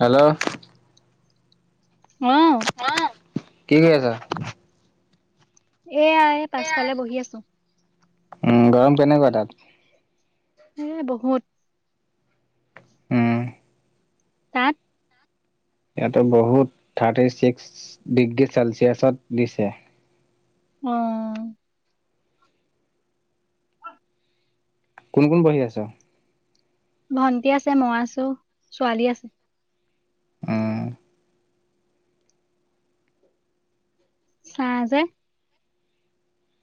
Hello! অ' কি কৰি আছা? এয়া এ পাছফালে বহি আছো। উম, গৰম কেনেকুৱা তাত? এ বহুত। উম তাত? ইয়াতো বহুত থাৰ্টি ছিক্স ডিগ্ৰী চেলচিয়াছত দিছে। অ'। কোন কোন বহি আছ? ভন্টি আছে মই আছো ছোৱালী আছে। উম। তাই যে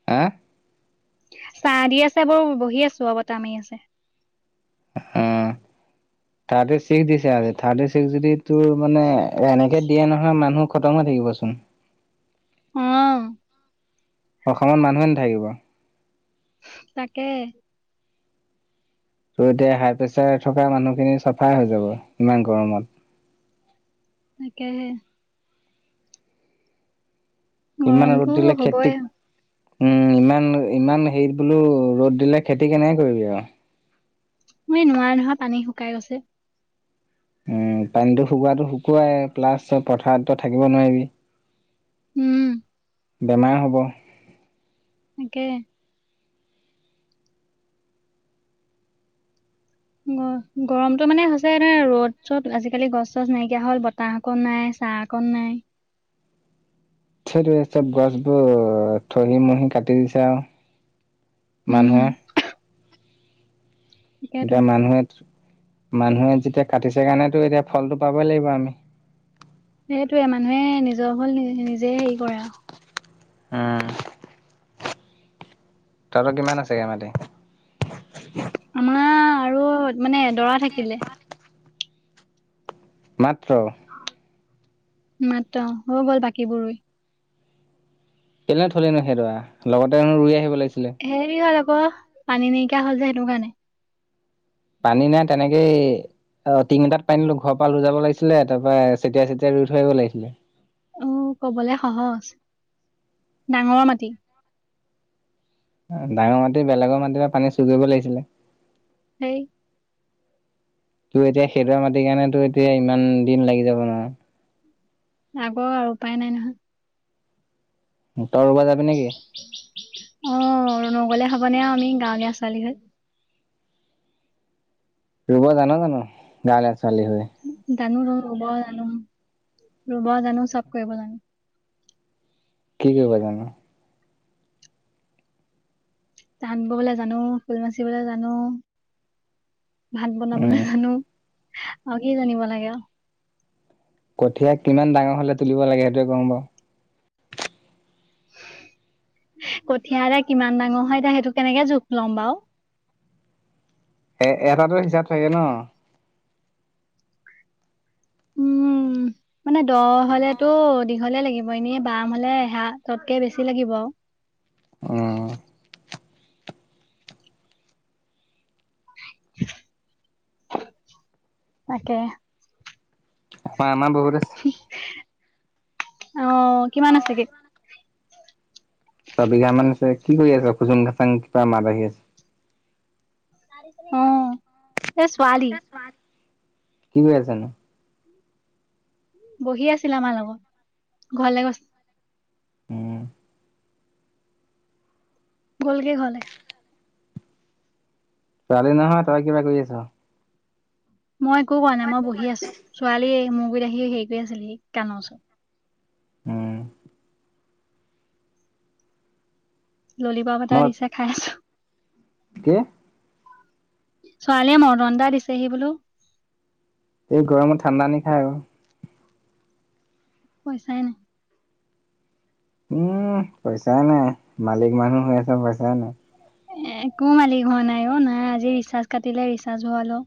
[unintelligible] চাহ দি আছে বাৰু বহি আছো বতাহ মাৰি আছে। উম ৰ্থাটি ছিক্স দিছে আজি থাৰ্টি ছিক্স যদিও তোৰ মানে এনেকে দিয়ে নহয় মানুহ খটম হৈ থাকিবচোন। অ'। অসমত মানুহে নাথাকিব। তাকে। ত' এতিয়া হাই প্ৰেচাৰ থকা মানুহখিনি চাফাই হৈ যাব ইমান গৰমত। তাকেহে। ইমানে গৰমটো ৰ'দ দিলে হ'বই খেতিক উম, ইমান-ইমান হেৰিত বোলো ৰ'দ দিলে খেতি কেনেকে কৰিবি আৰু। তুমি নোৱাৰা নহয় পানী শুকাই গৈছে। উম, পানীটো শুকোৱাতটো শুকুৱাই প্লাছ তই পথাৰত ত থাকিব নোৱাৰিবি। উম। বেমাৰ হ'ব। একে। গ গৰমতটো মানে হৈছে এনে ৰ'দ চ'দ আজিকালি, গছ - চছ নাইকিয়া হ'ল বতাহকো নাই চাহ কন নাই। সেইটোৱে চব গছবোৰ থহি মহি কাটি দিছে আৰু উম মানুহে। তাকেতো এতিয়া মানুহে, মানুহে যেতিয়া কাটিছে কাৰণেতো এতিয়া ফলটো পাবই লাগিব আমি। সেইটোৱে মানুহে নিজৰ ফল নি নিজে হেৰি কৰে আৰু। উম। তহঁতৰ কিমান আছেগে মাটি? আমাৰ আৰু মানে এদৰা থাকিলে। মাত্ৰ। মাত্ৰ, হৈ গ'ল বাকীবোৰ ৰুই। কেলে থলি নো সেইদৰা, লগতেনো ৰুই আহিব লাগিছিলে। হেৰি হ'ল আকৌ, পানী নাইকিয়া হ'ল যে সেইটো কাৰণে। পানী নাই, তেনেকেই অ তিঙ এটাত পানী ঘৰ পৰা লৈ যাব লাগিছিলে, তাৰ পৰা চতিয়াই চতিয়াই ৰুই থৈ আহিব লাগিছিলে। অ কবলৈ সহজ। ডাঙৰ মাটি ডাঙৰ মাটি। বেলেগৰ মাটিৰ পৰা পানী চুৰ কৰিব লাগিছিলে। হেই। তোৰ এতিয়া সেইদৰা মাটিৰ কাৰণে তো এতিয়া ইমান দিন লাগি যাব নহ লাগক আৰু উপায় নাই নহয়। তই ৰুব যাবি নেকি? অ নগলে হ'বনে আমি গাঁৱলীয়া ছোৱালী হৈ। ৰুব জান জানো গাঁৱলীয়া ছোৱালী হৈ? জানো, ৰ ৰুব জানো। ৰুব জানো, চব কৰিব জানো। কি কৰিব জান? তাত ববলে জানো, ফুল বাচিবলৈ জানো, ভাত বনাবলৈ উম, জানো। আউ কি জানিব লাগে আউ? কঠীয়া কিমান ডাঙৰ হলে, তুলিব লাগে সেইটোয়ে কচোন বাৰু? কঠিয়া এটা কিমান ডাঙৰ হয় এতিয়া সেইটো কেনেকে জোখ ল'ম বাউ? এ এটাতো হিচাপ থাকে ন। উম মানে দ হলেতো, দীঘলে লাগিব। এনে বাম হলে এহাততকে বেছি লাগিব আউ। উম। তাকে। ম আমাৰ বহুত আছে। অ কিমান আছেগে? ছবিঘা মান আছে। কি কৰি আছ খোচুং খাচং কিবা মাত আহি আছে। অ এ ছোৱালী কি কৰি আছ নো? বহি আছিল আমাৰ লগত ঘৰলে গৈছ উম, গ'লগে ঘৰলে। ছোৱালী নহয়, তই কিবা কৰি আছ। মই একো কৰা নাই মই বহি আছো। ছোৱালী মোৰ গুৰিত আহি হেৰি কৰি আছিল হি কাণৰ ওচৰত। উম। ললিপপ এটা মই দিছে খাই আছো। কি? ছোৱালীয়ে মৰটন এটা দিছেহি বোলো। এই গৰমত ঠাণ্ডা আনি খা আৰু। পইচাই নাই। উহ পইচা নাই, মালিক মানুহ হৈ আছে পইচাই নাই। এ একো মালিক হোৱা নাই অ। নাই আজি ৰিচাৰ্জ কাটিলে, ৰিচাৰ্জ ভৰালো।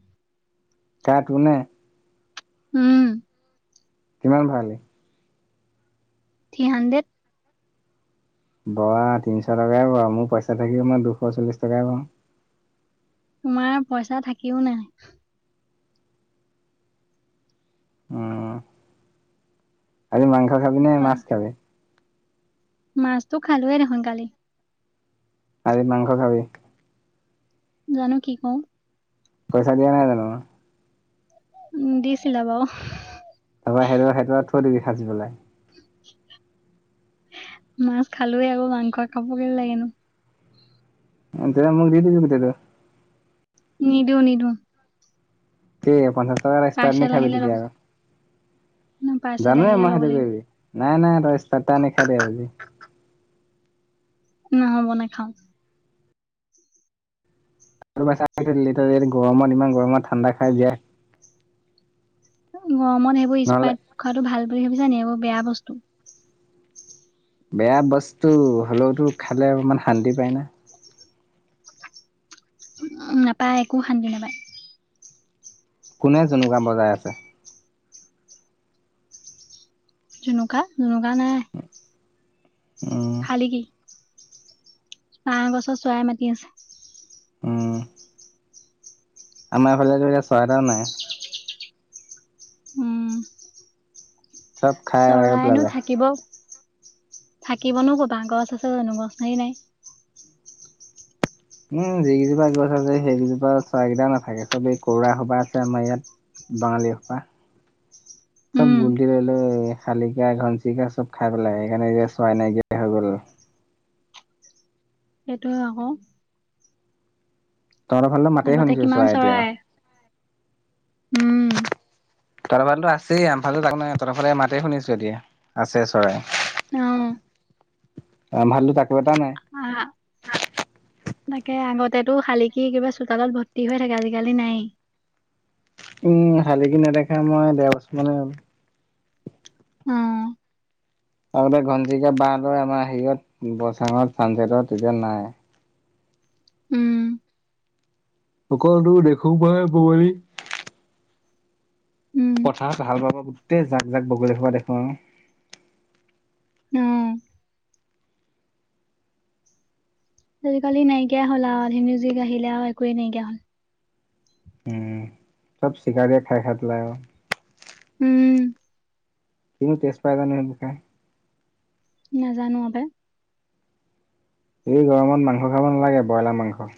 কাৰ কোনে? উম। কিমান ভৰালি? Three hundred. ভৰা তিনিশ টকাই ভআ, মোৰ পইচা থাকিও মই দুশ চল্লিছ টকাই ভৰাওঁ। তোমাৰ পইচা থাকিও নাই। অ। আজি মাংস খাবি নে মাছ খাবি? মাছটো খালোৱে দেখোন কালি। আজি মাংস খাবি? জানো কি কওঁ। পইচা দিয়া নাই জানো? উম দিছিলে বাও। আৰু [unintelligible] সেইটোত থৈ দিবি সাঁচি পেলাই। মাছ খালোৱে আকৌ মাংস খাবগে লাগেনো। দে মোক দি দিবি গোটেইটো। নিদিও, নিদিও। কি পঞ্চাছ টকা এক্সপাৰ নি পাৰ্চেল খাবি আহিলে ল'ব তেতিয়া আকৌ। ন পাৰ্চেল জানোৱে আহিলে মই ল'ব সেইটো লাগিব কৰিবি। নাই, নাই তই স্প্ৰাইট এটা আনি খাই দে আজি। নহ'ব নাখাওঁ। তই [unintelligible] থৈ দিলি তই যদি গৰমত ইমান গৰমত ঠাণ্ডা খাই জিয়াই গৰমত সেইবোৰ নহ'লে স্প্ৰাইট খোৱাটো ভাল বুলি ভাবিছা নি? এইবোৰ বেয়া বস্তু। বেয়া বস্তু হ'লেওতো খালে অকমান শান্তি পায় না। নাপায় একো শান্তি নাপায়। কোনে জুনুকা বজাই আছে? জুনুকা? জুনুকা নাই। [unintelligible] শালিকি আহ গছৰ চৰাই মাতি আছে। উহ। আমাৰ এইফালে এতিয়া চৰাই এটাও নাই। উম চব খাই এৰাকে চৰাইনো পেলালে। থাকিব থাকিবনো ক পা? গছ আছে জনো? গছে নাই। উম যি কিজোপা গছ আছে সেইকেইজোপাত চৰাইকিটা নাথাকে। চব এই কৰুৱা সোপা আছে আমাৰ ইয়াত। বাঙালী সোপা। উম চব গুলটি লৈ লৈ শালিকা, ঘনচিৰিকা চব খাই পেলায়। সেইকাৰণে এতিয়া চৰাই নাইকিয়া হৈ গ'ল। সেইটোৱে আকৌ। তহঁতৰ ফালে মাতেই আগতে শুনিছো কিমান এতিয়া। চৰাই, উম। তহঁতৰ ফালেটো আছেই। আমাৰ ফালে তাকো নাই। তহঁতৰফালে মাতে শুনিছো এতিয়া, আছে চৰাই। অ। আম ভাগটো তাকো এটা নাই। আ তাকে আগতেটো শালিকি কিবা চোতালত ভৰ্তি হৈ থাকে। আজি-কালি নাই। উম, শালিকি নেদেখা মই ডেৰ বছৰ মানে হ'ল। অ। আগতে ঘনচিৰিকা বাহ ধৰে আমাৰ হেৰিয়ত বচাঙত চানচটত, এতিয়া নাই। উম। অকলতো দেখো মই বোৱাৰী উম পথাৰত ভাল পাব গোটেই জাক জাক বগলী সোপা দেখো আৰু। অ আজিকালি নাইকিয়া হল আৰু ধুম মিউজিক আহিলে আৰু একোৱে নাইকিয়া হল। উম। চব শিকাৰ দিয়ে খাই খাই পেলাই আৰু উম উ উ কি টেষ্ট পাই জানো সেইবোৰ খাই? নাজানো অবে। এই গৰমত মাংস খাব নালাগে ব্ৰইলাৰ মাংস।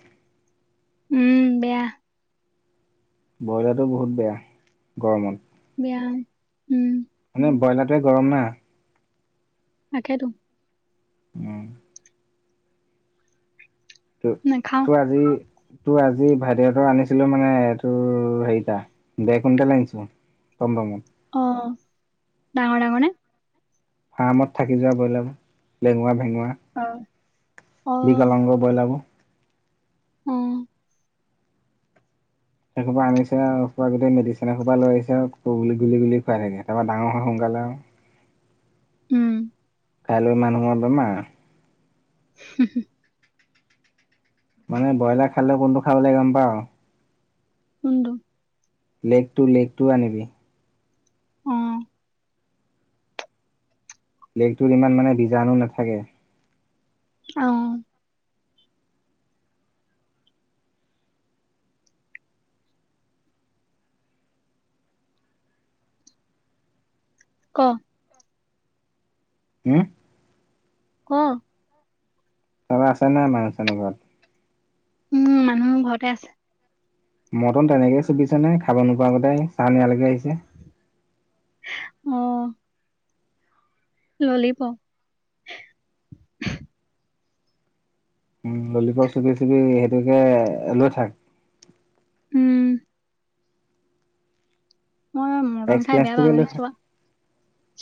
উম উ উ বেয়া। ব্ৰইলাৰটো বহুত বেয়া গৰমত। বেয়া উম উম উ এনে ব্ৰইলাৰটোৱে গৰম না। তাকেই তো। মৰম। ত নাখাও তোৰ আজি তোৰ আজি ভাদেল লতা আনিছিলোঁ মানে তোৰ হেৰিটা দেৰ কুইণ্টেল আনিছোঁ। গম পোৱা নাই। অ অ অ ডাঙৰ ডাঙৰ নে। ফাৰ্মত থাকি যোৱা ব্ৰইলাৰ লেঙুৰা-ভেঙুৰা। অ অ বিকলাংগ ব্ৰইলাৰবোৰ। উম উ উ। সেইসোপা আনিছে আৰু সোপা গোটেই মেডিচিন এসোপা লৈ আহিছে গ গুলি গুলি গুলি খাই থাকে তাৰপৰা ডাঙৰ হয় সোনকালে আৰু উম খাই লৈ মানুহৰ বেমাৰ। হুমহু। মানে ব্ৰইলাৰ খালে কোনটো খাব লাগে গম পাওঁ। কোনটো? লেগটো লেগটোও আনিবি। অঁ অ অ। লেগটোত ইমান মানে বীজাণু নেথাকে। উচ অ অ অ। ক উম উ। ক চবে আছে নে মানুহ আছেনে ঘৰত। উম উ উ মানুহ ঘৰতে আছে। মটন তেনেকে চুপিছে নে খাব নোপোৱা গোটে চাউন্ড ইয়ালৈকে আহিছে। ইস্ অ অ অ অ। ললিপ। উম উ উ! ললিপপ চুপি চুপি সেইটোকে এ এ লৈ থাক। উম উ উ! মই মানে মটন খাই বেয়া এক্সপিৰিয়েঞ্চটোকে পাওঁ লৈ এ থাক চোৱা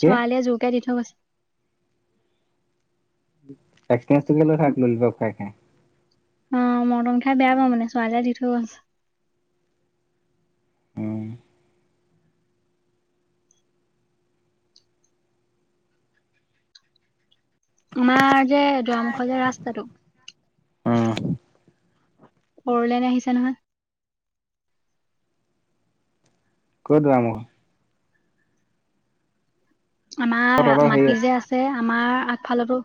কি জোৰকে দি থৈ গৈছে। এক্সপেৰিয়েন্সটোকে লৈ থাক ললিপপ খাই খাই। অ অ অ, মটন খাই বেয়া পাওঁ মানে ছোৱালীয়ে দি থৈ গৈছে। উম উ উ! আমাৰ যে দুৱাৰমুখৰ যে ৰাস্তাটো। ফৌৰলেন আহিছে নহয়। ক'ত যোৱা নো। অ আমাৰ তহঁতৰ হেৰি মাটি যে আছে আমাৰ আগফালৰতো।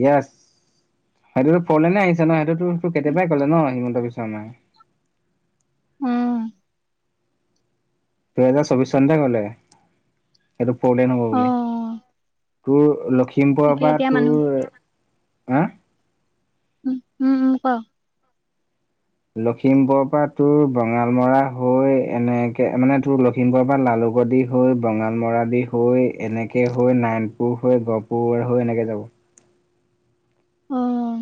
ইয়েছ, সেইটোতো ফৌৰলেনে আহিছে ন সেইটোতো কেতিয়াবাই কলে ন হিমন্ত বিশ্ব শৰ্মাই। উম উ উ! দুহেজাৰ চৌবিশ চনতে গলে এইটো ফৌৰলেন হব অ বুলি। তোৰ লখিমপুৰৰ তাকে পৰা এতিয়া মানুহ তোৰ হা উম উম উম ক লখিমপুৰ পৰা তোৰ বঙাল মৰা হৈ এনেকে মানে তোৰ লখিমপুৰৰ পৰা লালুক দি হৈ বঙালমৰা দি হৈ এনেকে হৈ নাৰায়ান পুৰ হৈ গহপুৰ হৈ এনেকে যাব। অ অ অ অ।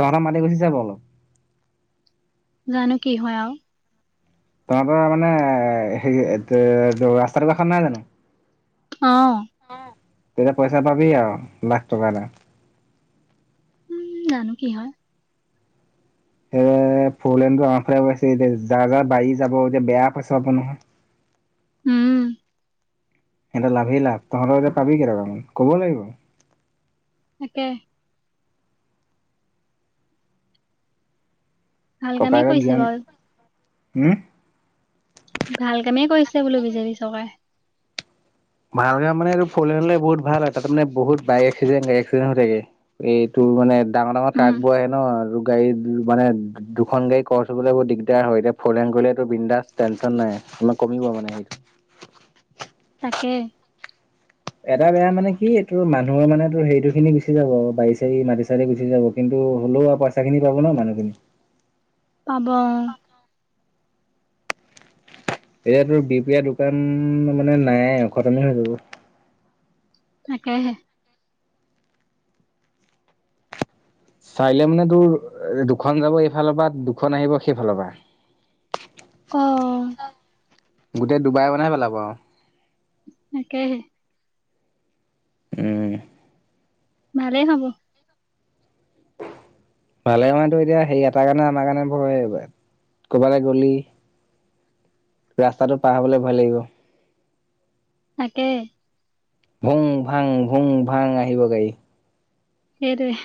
তহঁতৰ মাটি গুচি যাব অলপ। জানো কি হয় আৰু। তোমাৰ পৰা মানে হে ৰাস্তাটো কাষত নাই জানো? অ অ তেতিয়া পইচা পাবি আৰু লাখ টকা এটা। উম জানো কি হয়। এ ফৰলেনটো আমাৰ ফালে বনাইছে এতিয়া যাৰ যাৰ বাঢ়ি যাব এতিয়া বেয়া পাইছা পাব নহয়। উম। সিহঁত লাভেই লাভ তহঁৰ এতিয়া পাবি কেটাকামান ক'ব লাগিব। তাকে ভাল কামেই ককায়েকৰ কৰিছে বাৰু। জ্ঞান উম। ভাল কামেই কৰিছে বোলো বিজেপি চৰকাৰে। ভালকে মানে এইটো ফৰি হ'লে বহুত ভাল হয় তাত মানে বহুত বাইক একচিডেন্ট গাড়ী একচিডেণ্ট হৈ থাকে। এইটোৰ মানে ডাঙৰ ডাঙৰ উম ট্ৰাগ বোৰ আহে ন আৰু গাড়ী মানে দুখন গাড়ী ক্ৰচ হ'বলৈ বহু দিগদাৰ হয় এতিয়া ফৌৰলেন গলেতো বৃন্দাস টেনশ্যন নাই, আমাৰ কমিব মানে সেইটো তাকে এটা বেয়া মানে কি এইটো মানুহৰ মানে তোৰ সেইটো খিনি গুচি যাব বাৰী চাৰি মাটি চাটি গুচি যাব। কিন্তু হ'লেও আৰু পইচাখিনি পাব ন মানুহখিনি। পাব এতিয়াতোৰ বিপিয়া দোকান মানে নাইয়ে খটমে হৈ যাব। তাকেহে। চাইলে মানে তোৰ দুখন যাব এইফালৰ পা, দুখন আহিব সেইফালৰ পা। অ গোটেই ডুবাই বনহে পেলাবা আও। তাকেহে উম ভালে হ'ব ভালে মানে তো এতিয়া সেই এটাৰ কাৰণে আমাৰ কাৰণে ভয়ে বাট, কৰবালে গলি ৰাস্তাটো পাৰ হবলে ভয় লাগিব। তাকে ভোং ভাং ভোং ভাং আহিব গাড়ী সেইটোৱে